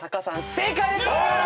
正解です！